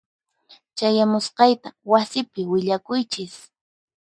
Chayamusqayta wasipi willakuychis.